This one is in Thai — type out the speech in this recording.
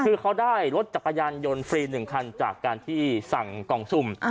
คือเขาได้รถจักรยานยนต์ฟรี๑คันจากการที่สั่งกล่องซุ่ม